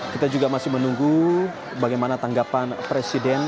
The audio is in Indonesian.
kita juga masih menunggu bagaimana tanggapan presiden